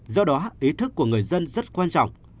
do đó ý thức của người dân rất quan trọng